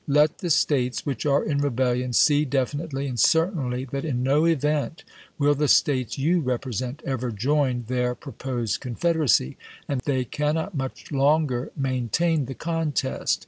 Let the States which are in rebellion see definitely and certainly that in no event will the States you represent ever join their proposed confederacy, and they cannot much longer maintain the contest.